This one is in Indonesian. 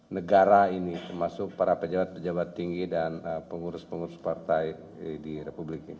negara ini termasuk para pejabat pejabat tinggi dan pengurus pengurus partai di republik ini